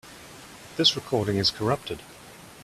This recording is corrupted.